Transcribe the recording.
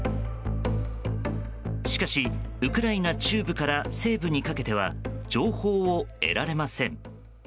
しかし、ウクライナ中部から西部にかけては情報を得られません。